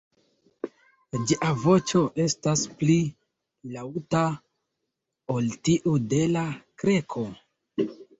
Ĝia voĉo estas pli laŭta ol tiu de la Kreko.